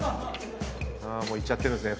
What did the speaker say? いっちゃってるんですね